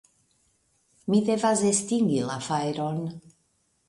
Mi devas estingi la fajron.